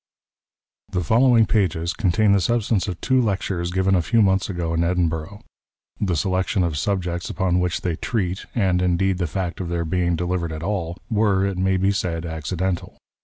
The following pages contain the substance of two Lectures given a few months ago in Edinburgh. The selection of the subjects upon which they treat, and, indeed, the fact of their being delivered at all, were, it may be said, acci dental.